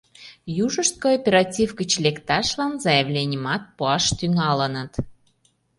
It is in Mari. Южышт кооператив гыч лекташлан заявленийымат пуаш тӱҥалыныт.